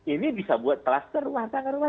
ini bisa buat kluster rumah tangga rumah